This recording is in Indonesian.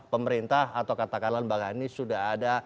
pemerintah atau katakanlah lembaga anies sudah ada